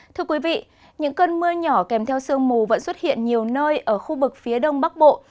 thưa quý vị những cơn mưa nhỏ kèm theo sương mù vẫn xuất hiện nhiều nơi ở khu vực phía đông bắc bộ